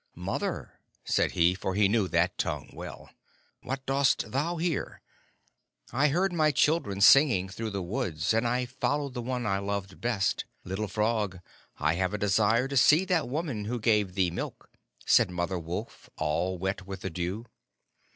"Mother," said he, for he knew that tongue well, "what dost thou here?" "I heard my children singing through the woods, and I followed the one I loved best. Little Frog, I have a desire to see that woman who gave thee milk," said Mother Wolf, all wet with the dew.